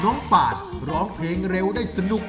ปาดร้องเพลงเร็วได้สนุก